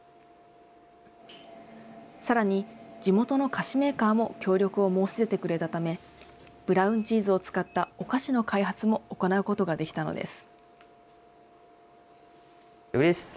さらに、地元の菓子メーカーも協力を申し出てくれたため、ブラウンチーズを使ったお菓子の開発も行うことができたのです。